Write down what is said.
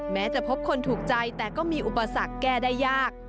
แม้จะพบคนถูกใจแต่ก็มีอุปสรรคแก้ได้ยาก